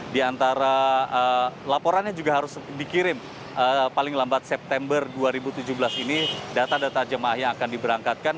di antara laporannya juga harus dikirim paling lambat september dua ribu tujuh belas ini data data jemaah yang akan diberangkatkan